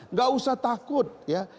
nggak usah takut ya